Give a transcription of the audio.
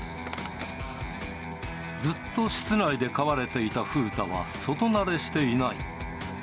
ずっと室内で飼われていたふうたは外慣れしていない。